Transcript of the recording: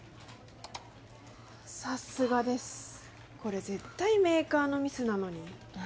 さすがですこれ絶対メーカーのミスなのに。